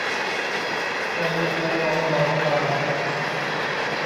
ประนีประนอมยอมความ